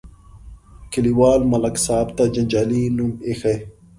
کلیوالو ملک صاحب ته جنجالي نوم ایښی.